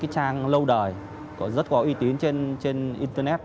trang lâu đời rất có uy tín trên internet